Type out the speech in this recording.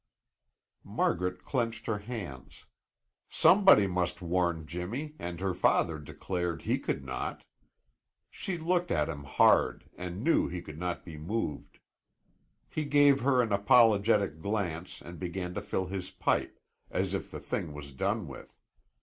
Margaret clenched her hands. Somebody must warn Jimmy and her father declared he could not. She looked at him hard and knew he could not be moved. He gave her an apologetic glance and began to fill his pipe, as if the thing was done with.